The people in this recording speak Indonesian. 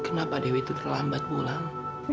kenapa dewi itu terlambat pulang